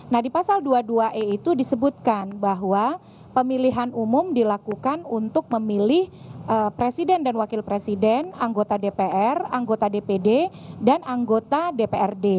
nah di pasal dua puluh dua e itu disebutkan bahwa pemilihan umum dilakukan untuk memilih presiden dan wakil presiden anggota dpr anggota dpd dan anggota dprd